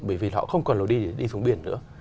bởi vì họ không còn lối đi để đi xuống biển nữa